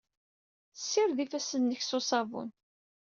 Ssired ifassen-nnek s uṣabun.